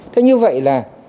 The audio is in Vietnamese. thế như vậy là